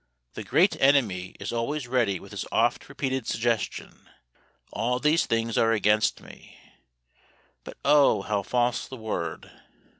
The great enemy is always ready with his oft repeated suggestion, "All these things are against me." But oh, how false the word!